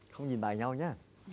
không nhìn tại nhau nhé